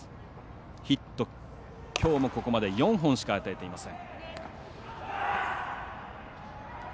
ヒット、きょうもここまで４本しか与えていません。